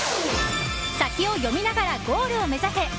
先を読みながらゴールを目指せ！